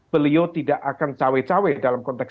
beliau tidak akan cewek cewek dalam konteks